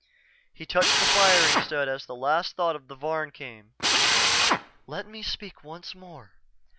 He touched the firing stud as the last thought of the Varn came: "_Let me speak once more.